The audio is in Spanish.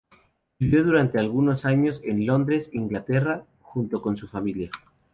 Vivió durante algunos años en Londres, Inglaterra, junto con su familia.